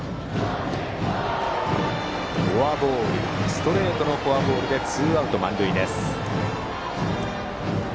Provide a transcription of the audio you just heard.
ストレートのフォアボールでツーアウト満塁です。